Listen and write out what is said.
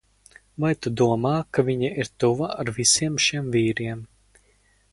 Vai tu domā, ka viņa ir tuva ar visiem šiem vīriem?